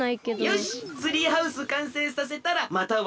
よしツリーハウスかんせいさせたらまたワッサン島いこうか。